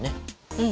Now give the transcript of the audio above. うん。